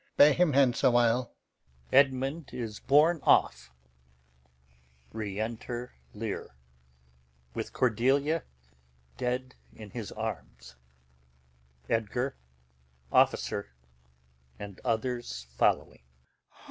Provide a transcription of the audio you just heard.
Bear him hence awhile. [Edmund is borne off.] Enter Lear, with Cordelia [dead] in his arms, [Edgar, Captain, and others following].